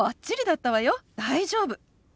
大丈夫。